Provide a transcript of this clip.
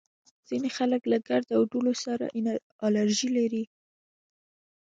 ځینې خلک له ګرد او دوړو سره الرژي لري